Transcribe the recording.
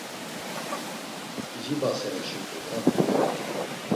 İcibasere şuǩu da.